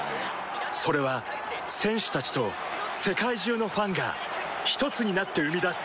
それは選手たちと世界中のファンがひとつになって生み出す